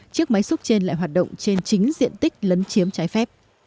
chiếc máy xúc trên lại hoạt động trên chính diện tích lấn chiếm trái phép